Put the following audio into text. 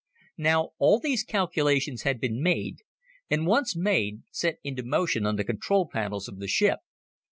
Now all these calculations had been made, and once made, set into motion on the control panels of the ship.